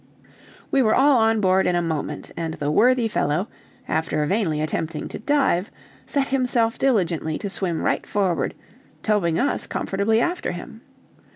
We were all on board in a moment; and the worthy fellow, after vainly attempting to dive, set himself diligently to swim right forward, towing us comfortably after him.